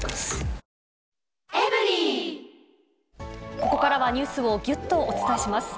ここからはニュースをぎゅっとお伝えします。